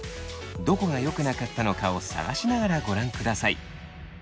どこがよくなかったのかを探しながらご覧ください。